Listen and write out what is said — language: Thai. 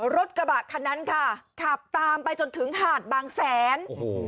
รถกระบะคันนั้นค่ะขับตามไปจนถึงหาดบางแสนโอ้โห